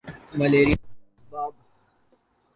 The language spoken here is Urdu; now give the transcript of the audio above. ملیریا کے اسباب